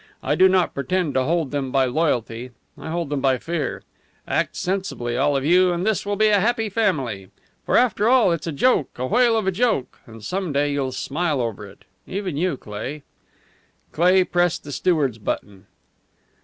I do not pretend to hold them by loyalty. I hold them by fear. Act sensibly, all of you, and this will be a happy family. For after all, it's a joke, a whale of a joke. And some day you'll smile over it even you, Cleigh." Cleigh pressed the steward's button.